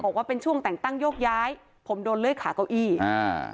บอกว่าเป็นช่วงแต่งตั้งโยกย้ายผมโดนเลื่อยขาเก้าอี้อ่า